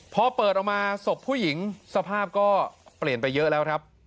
พอเปิดออกมาศพผู้หญิงสภาพก็เปลี่ยนไปเยอะแล้วครับ